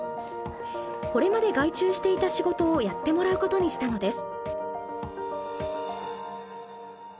これまで外注していた仕事をやってもらうことにしたのです。